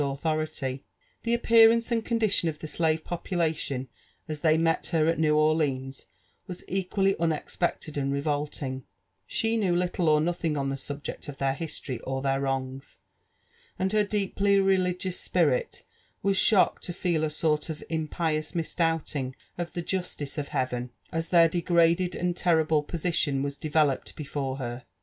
authority. The appearance and condition of the slave population as they met her at New Orleans was equally unexpected and revolting : she knew little or nothing on the subject of their history or their wrongs, and her deeply ^religious spirit was shocked to feel a sort of impious misdoubting of the justice of Heaven, as their degraded and terrible position was developed before her.